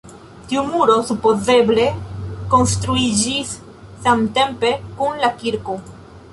Tiu muro supozeble konstruiĝis samtempe kun la kirko.